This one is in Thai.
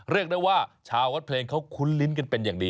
เรียกได้ว่าชาววัดเพลงเขาคุ้นลิ้นกันเป็นอย่างดี